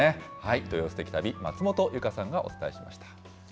土曜すてき旅、松本結花さんがお伝えしました。